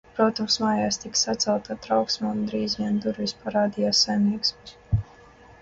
Protams, mājās tika sacelta trauksme, un drīz vien durvīs parādījās saimnieks.